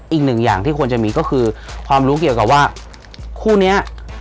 อีกหนึ่งอย่างที่ควรจะมีก็คือความรู้เกี่ยวกับว่าคู่นี้